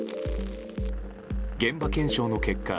現場検証の結果